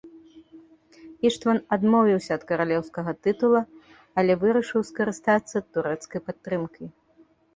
Іштван адмовіўся ад каралеўскага тытула, але вырашыў скарыстацца турэцкай падтрымкай.